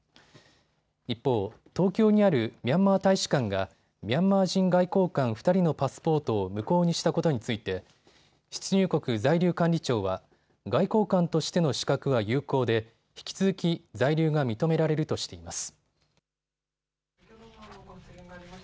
一方、東京にあるミャンマー大使館がミャンマー人外交官２人のパスポートを無効にしたことについて出入国在留管理庁は外交官としての資格は有効で引き続き在留が認められるとしています。